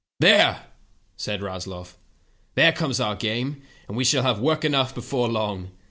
" 'There,' said Rasloff; 'there comes our game, and we shall have work enough before long.